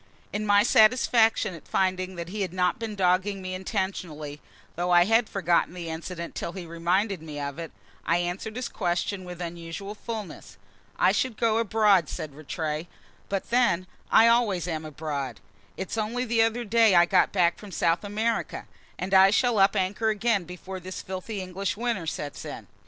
In my satisfaction at finding that he had not been dogging me intentionally (though I had forgotten the incident till he reminded me of it), I answered his question with unusual fulness. "I should go abroad," said Rattray. "But then, I always am abroad; it's only the other day I got back from South America, and I shall up anchor again before this filthy English winter sets in."